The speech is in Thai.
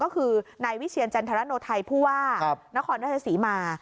ก็คือนายวิเชียรจันทรโนไทยผู้ว่านครราชศรีมา